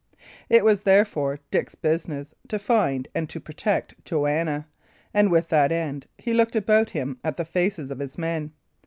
It was, therefore, Dick's business to find and to protect Joanna; and with that end he looked about him at the faces of his men.